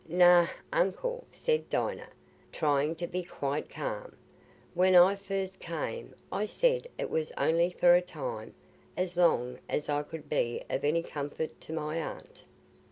"Nay, Uncle," said Dinah, trying to be quite calm. "When I first came, I said it was only for a time, as long as I could be of any comfort to my aunt."